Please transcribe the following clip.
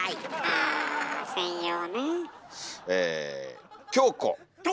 あ専用ね。